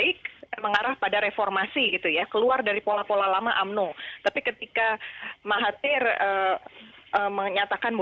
apalagi dan kepada waktu itu healthyga despo pun berpikir bahwa yang sebenarnya tuh memang sesuatu racial selama samanya